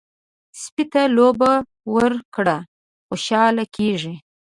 سپي ته لوبه ورکړه، خوشحاله کېږي.